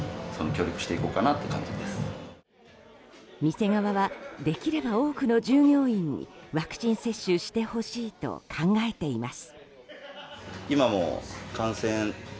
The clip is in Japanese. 店側はできれば多くの従業員にワクチン接種してほしいと考えています。